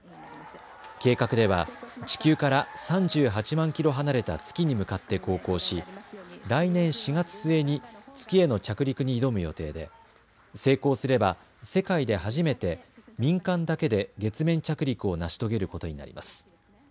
計画では地球から３８万キロ離れた月に向かって航行し来年４月末に月への着陸に挑む予定で、成功すれば世界で初めて民間だけで月面着陸を成し遂げることになります。